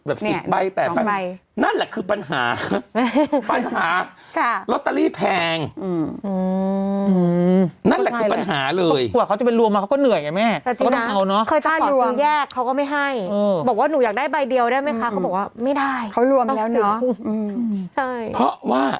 แบบ๑๐ใบ๘นั่นแหละคือปัญหา